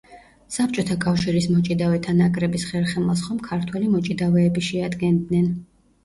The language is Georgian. საბჭოთა კავშირის მოჭიდავეთა ნაკრების ხერხემალს ხომ ქართველი მოჭიდავეები შეადგენდნენ.